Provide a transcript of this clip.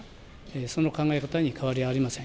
その考え方に変わりはありません。